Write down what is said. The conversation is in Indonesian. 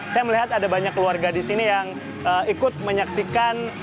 saya melihat ada banyak keluarga di sini yang ikut menyaksikan